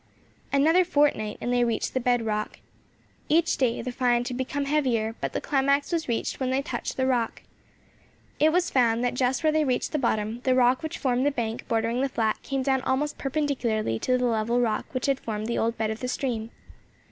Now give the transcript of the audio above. Another fortnight and they reached the bed rock. Each day the find had become heavier, but the climax was reached when they touched the rock. It was found that just where they reached the bottom, the rock which formed the bank bordering the flat came down almost perpendicularly to the level rock which had formed the old bed of the stream.